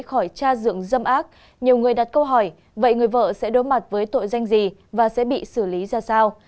khỏi cha dựng dâm ác nhiều người đặt câu hỏi vậy người vợ sẽ đối mặt với tội danh gì và sẽ bị xử lý ra sao